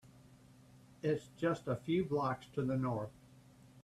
It’s just a few blocks to the North.